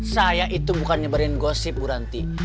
saya itu bukan nyebarin gosip buranti